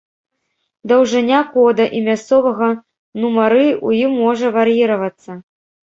Даўжыня кода і мясцовага нумары ў ім можа вар'іравацца.